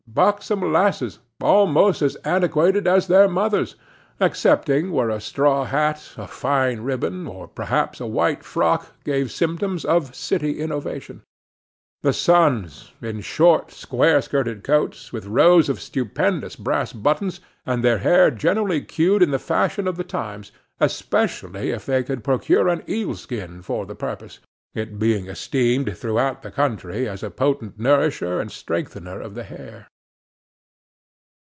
Buxom lasses, almost as antiquated as their mothers, excepting where a straw hat, a fine ribbon, or perhaps a white frock, gave symptoms of city innovation. The sons, in short square skirted coats, with rows of stupendous brass buttons, and their hair generally queued in the fashion of the times, especially if they could procure an eel skin for the purpose, it being esteemed throughout the country as a potent nourisher and strengthener of the hair.